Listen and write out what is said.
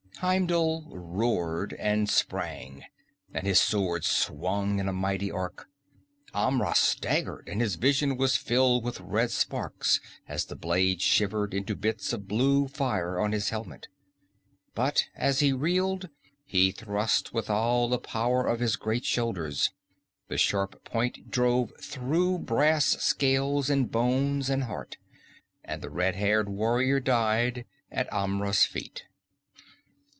Heimdul roared and sprang, and his sword swung in a mighty arc. Amra staggered and his vision was filled with red sparks as the blade shivered into bits of blue fire on his helmet. But as he reeled he thrust with all the power of his great shoulders. The sharp point drove through brass scales and bones and heart, and the red haired warrior died at Amra's feet.